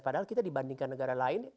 padahal kita dibandingkan negara lain